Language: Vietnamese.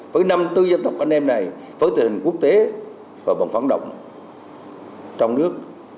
với năm tư dân tộc anh em này với tình hình quốc tế và bằng phán động trong nước